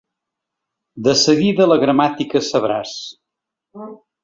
De seguida la gramàtica sabràs.